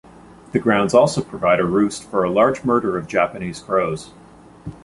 The grounds also provide a roost for a large murder of Japanese crows.